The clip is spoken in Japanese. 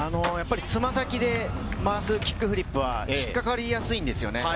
つま先で回すキックフリップは引っかかりやすいんですよね。